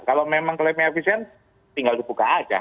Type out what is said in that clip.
kalau memang klaimnya efisien tinggal dibuka aja